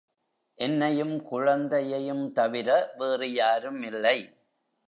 என்னையும் குழந்தையும் தவிர வேறுயாரும் இல்லை.